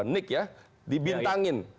nik ya dibintangin